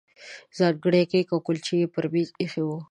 ځانګړي کیک او کولچې یې پر مېز ایښي وو.